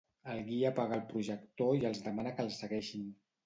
El guia apaga el projector i els demana que el segueixin.